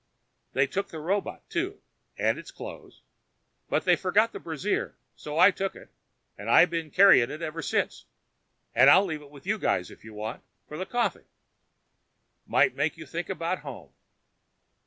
They took the robot too, and its clothes, but they forgot the brassiere, so I took it and I been carrying it ever since, but I'll leave it with you guys if you want for the coffee. Might make you think about home.